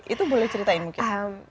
itu boleh diceritain mungkin